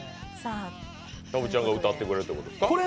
たぶっちゃんが歌ってくれるということですか。